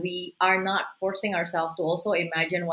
maka kita tidak memaksa diri kita